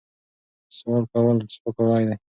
سوال کول سپکاوی دی.